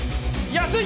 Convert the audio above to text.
安い！